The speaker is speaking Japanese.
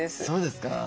そうですか？